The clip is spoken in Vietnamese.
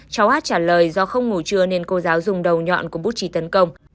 cháu hát trả lời do không ngủ trưa nên cô giáo dùng đầu nhọn của bút trì tấn công